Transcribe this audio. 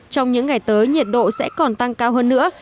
trong những ngày tới nhiệt độ sẽ còn tăng cao hơn nữa